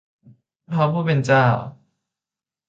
พระผู้เป็นเจ้า